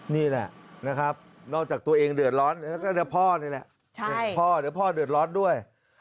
นี่แหละนะครับนอกจากตัวเองเดือดร้อนแล้วก็เดี๋ยวพ่อนี่แหละพ่อเดี๋ยวพ่อเดือดร้อนด้วย